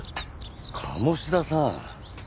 鴨志田さん。